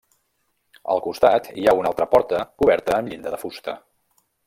Al costat hi ha una altra porta coberta amb llinda de fusta.